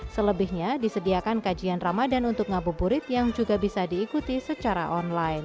selebihnya disediakan kajian ramadan untuk ngabuburit yang juga bisa diikuti secara online